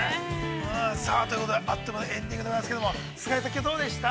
さあということで、あっという間にエンディングでございますけれども、菅井さん、どうでした？